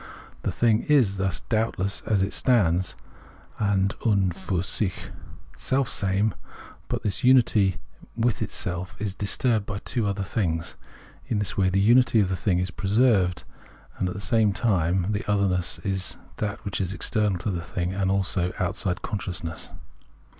The thing is, thus, doubtless as it stands {an und fur sich) selfsame, but this unity with itself is disturbed by other things. In this way the unity of the thing is preserved, and, at the same time, the otherness that is external to the thing, and also out side consciousness.